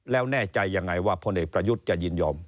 แล้วแน่ใจยังไงว่าพลเอกประยุทธ์จะยินยอม